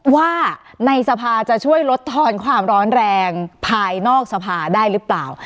ว่าในสภาจะช่วยลดทอนความร้อนแรงภายนอกสภาได้หรือเปล่า